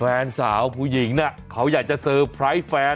แฟนสาวผู้หญิงน่ะเขาอยากจะเซอร์ไพรส์แฟน